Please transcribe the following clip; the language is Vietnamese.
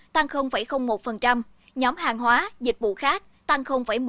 tăng một nhóm hàng hóa dịch vụ khác tăng một mươi bốn